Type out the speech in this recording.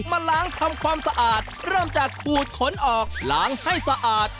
มาล้างทำความสะอาดเริ่มจากขูดขนออกล้างให้สะอาด